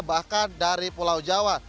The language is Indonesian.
bahkan dari pulau jawa